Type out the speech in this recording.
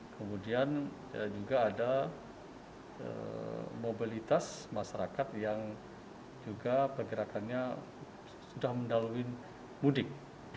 kemudian juga ada mobilitas masyarakat yang juga pergerakannya sudah mendalui mudik